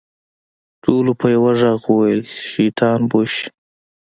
ټولو په يوه ږغ وويل شيطان بوش.